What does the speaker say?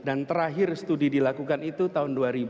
dan terakhir studi dilakukan itu tahun dua ribu tujuh